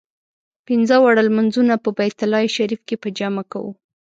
پنځه واړه لمونځونه په بیت الله شریف کې په جمع کوو.